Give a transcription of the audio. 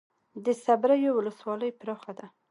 د صبریو ولسوالۍ پراخه ده